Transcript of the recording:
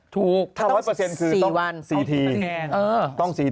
ถูกถ้าว่าตรวจเปอร์เซ็นต์คือต้อง๔วัน